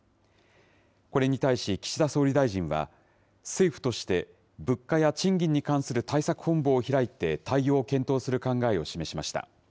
これに対し、岸田総理大臣は、政府として物価や賃金に関する対策本部を開いて、対応を検討する考えを示しました。